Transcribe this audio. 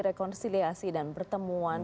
rekonsiliasi dan pertemuan